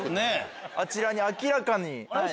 あちらに明らかに。